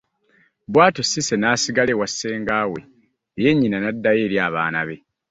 Bw'atyo Cissy n'asigala ewa Ssengaawe ye nnyina n'addayo eri abaana be.